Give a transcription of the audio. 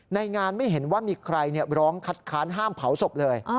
ในงานไม่เห็นว่ามีใครร้องคัดค้านห้ามเผาศพเลย